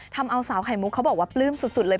ทำเอาสาวไข่มุกเขาบอกว่าปลื้มสุดเลย